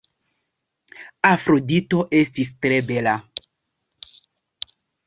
Afrodito estis tre bela.